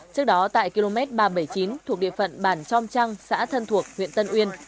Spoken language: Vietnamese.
trước đó tại km ba trăm bảy mươi chín thuộc địa phận bản trom trăng xã thân thuộc huyện tân uyên